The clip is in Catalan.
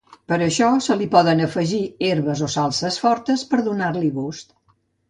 Per això se li poden afegir herbes o salses fortes per a donar-li gust.